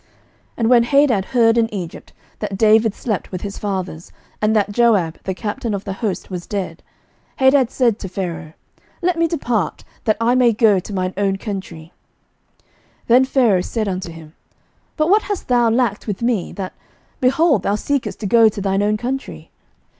11:011:021 And when Hadad heard in Egypt that David slept with his fathers, and that Joab the captain of the host was dead, Hadad said to Pharaoh, Let me depart, that I may go to mine own country. 11:011:022 Then Pharaoh said unto him, But what hast thou lacked with me, that, behold, thou seekest to go to thine own country?